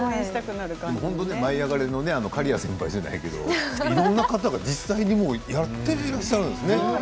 「舞いあがれ！」の刈谷先輩じゃないけどいろんな方が実際にやっていらっしゃるんですね